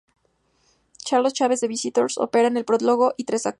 Carlos Chávez: "The visitors", ópera en un prólogo y tres actos